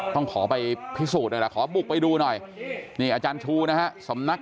ต้องขอไปพิสูจน์หน่อยล่ะขอบุกไปดูหน่อยนี่อาจารย์ชูนะฮะสำนัก